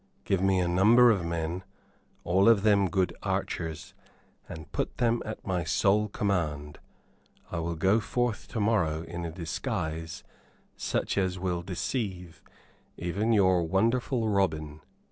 "Give me a number of men, all of them good archers, and put them at my sole command. I will go forth to morrow in a disguise such as will deceive even your wonderful Robin."